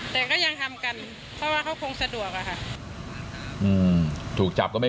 แต่ก็ยังทำกันเพราะว่าเขาคงสะดวกอะค่ะ